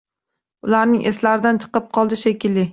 Ularning eslaridan chiqib qoldi, shekilli